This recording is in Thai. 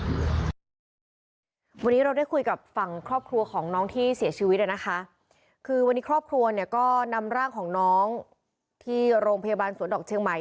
วันนี้เราได้คุยกับฝั่งครอบครัวของน้องที่เสียชีวิตนะคะคือวันนี้ครอบครัวเนี่ยก็นำร่างของน้องที่โรงพยาบาลสวนดอกเชียงใหม่